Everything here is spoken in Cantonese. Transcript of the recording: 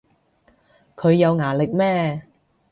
佢有牙力咩